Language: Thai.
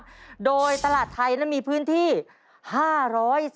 เพราะว่าตลาดไทยนะครับมีพื้นที่มากกว่าตลาด๔มุมเมืองนะครับ